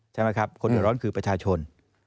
ใช่ไหมครับคนเดือดร้อนคือประชาชน